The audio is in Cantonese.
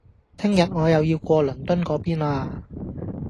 聽日我又要過倫敦個邊喇